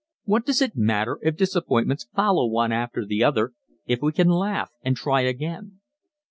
What does it matter if disappointments follow one after the other if we can laugh and try again?